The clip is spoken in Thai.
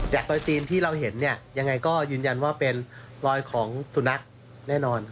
โปรตีนที่เราเห็นเนี่ยยังไงก็ยืนยันว่าเป็นรอยของสุนัขแน่นอน